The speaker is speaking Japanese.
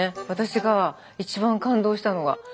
私が一番感動したのが。